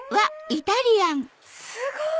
え⁉すごい！